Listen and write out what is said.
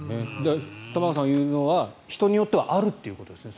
玉川さんが言うのは人によってはあるということですね